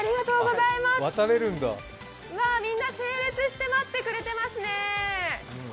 みんな整列して待ってくれていますね。